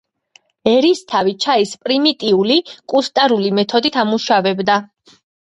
ერისთავი ჩაის პრიმიტიული, კუსტარული მეთოდით ამუშავებდა.